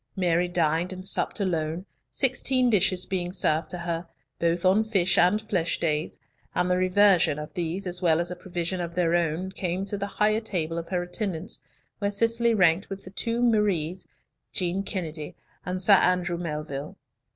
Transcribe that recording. Mary dined and supped alone, sixteen dishes being served to her, both on "fish and flesh days," and the reversion of these as well as a provision of their own came to the higher table of her attendants, where Cicely ranked with the two Maries, Jean Kennedy, and Sir Andrew Melville.